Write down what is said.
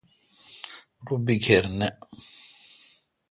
رو بیکھر نہ۔